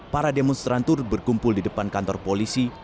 para demonstran turut berkumpul di depan kantor polisi